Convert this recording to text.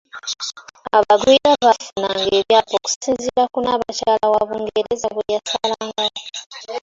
Abagwira baafunanga ebyapa okusinziira ku Nnaabakyala wa Bungereza bwe yasalangawo.